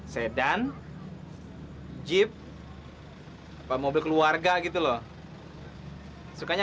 sampai jumpa di video selanjutnya